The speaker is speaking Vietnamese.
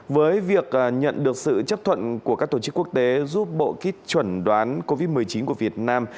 với việc nhận được sự chấp thuận của các tổ chức quốc tế giúp bộ kit chuẩn đoán covid một mươi chín của việt nam